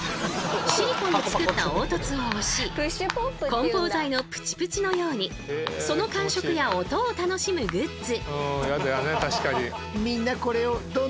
シリコンで作った凹凸を押し梱包材のプチプチのようにその感触や音を楽しむグッズ。